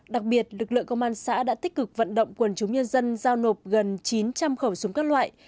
đặc biệt lực lượng công an xã đã tích cực vận động quần chúng nhân dân giao nộp gần chín trăm linh khẩu súng các loại